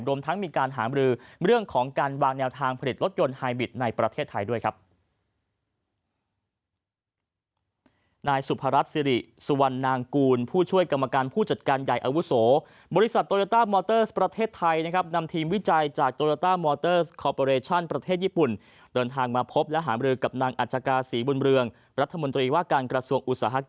รวมทั้งมีการหามรือเรื่องของการวางแนวทางผลิตรถยนต์ไฮบิตในประเทศไทยด้วยครับ